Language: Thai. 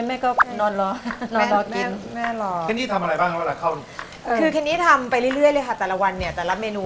ไม่เคยทำกับข้าวด้วยกัน